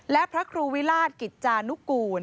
และพระครูวิราชกิจจานุกูล